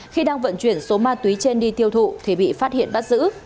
khi đang vận chuyển số ma túy trên đi tiêu thụ thì bị phát hiện bắt giữ